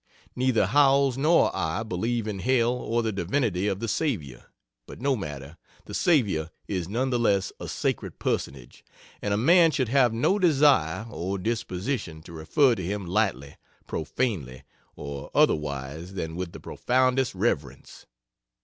Neither Howells nor I believe in hell or the divinity of the Savior, but no matter, the Savior is none the less a sacred Personage, and a man should have no desire or disposition to refer to him lightly, profanely, or otherwise than with the profoundest reverence.